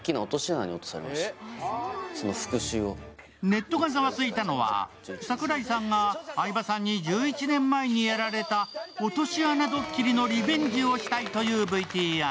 ネットがざわついたのは櫻井さんが相葉さんに１１年前にやられた落とし穴ドッキリのリベンジをしたいというＶＴＲ。